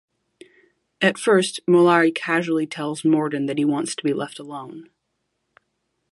At first, Mollari casually tells Morden that he wants to be left alone.